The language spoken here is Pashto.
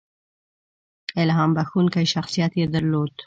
• الهام بښونکی شخصیت یې درلود.